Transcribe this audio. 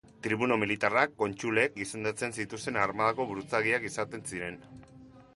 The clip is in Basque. Tribuno militarrak, kontsulek izendatzen zituzten armadako buruzagiak izaten ziren.